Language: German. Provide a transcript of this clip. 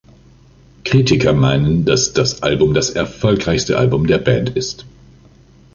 Kritiker meinen, dass das Album das erfolgreichste Album der Band ist.